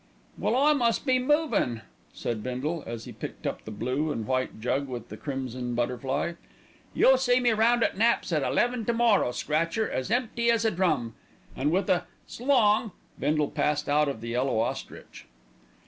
"Well, I must be movin'," said Bindle, as he picked up the blue and white jug with the crimson butterfly. "You'll see me round at Nap's at eleven to morrow, Scratcher, as empty as a drum;" and with a "s'long," Bindle passed out of The Yellow Ostrich.